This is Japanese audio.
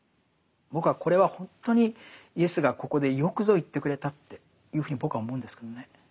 僕はこれは本当にイエスがここでよくぞ言ってくれたっていうふうに僕は思うんですけどね。